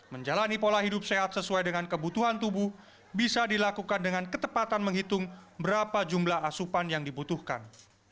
menjalani pola hidup sehat sesuai dengan kebutuhan tubuh bisa dilakukan dengan ketepatan menghitung berapa jumlah asupan yang dibutuhkan